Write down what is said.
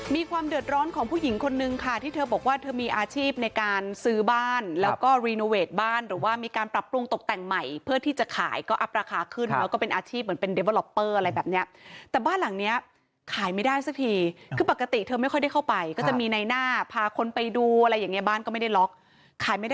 มีความเดือดร้อนของผู้หญิงคนนึงค่ะที่เธอบอกว่าเธอมีอาชีพในการซื้อบ้านแล้วก็รีโนเวทบ้านหรือว่ามีการปรับปรุงตกแต่งใหม่เพื่อที่จะขายก็อัพราคาขึ้นแล้วก็เป็นอาชีพเหมือนเป็นเดเบอร์ล็อปเปอร์อะไรแบบเนี้ยแต่บ้านหลังเนี้ยขายไม่ได้สักทีคือปกติเธอไม่ค่อยได้เข้าไปก็จะมีในหน้าพาคนไปดูอะไรอย่างเงี้บ้านก็ไม่ได้ล็อกขายไม่ได้